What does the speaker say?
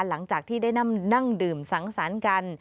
หลังจากที่ได้นั่งดื่มสังสรรค์กัน